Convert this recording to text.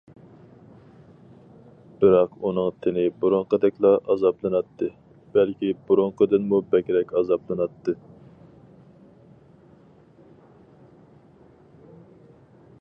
بىراق ئۇنىڭ تېنى بۇرۇنقىدەكلا ئازابلىناتتى، بەلكى بۇرۇنقىدىنمۇ بەكرەك ئازابلىناتتى.